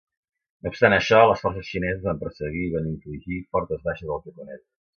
No obstant això, les forces xineses van perseguir i van infligir fortes baixes als japonesos.